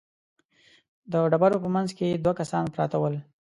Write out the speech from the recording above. د ډبرو په مينځ کې دوه کسان پراته ول.